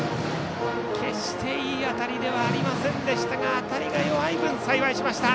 決していい当たりではありませんでしたが当たりが弱い分、幸いしました。